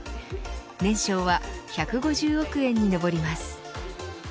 年商は１５０億円にのぼります。